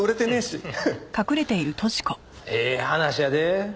ええ話やで。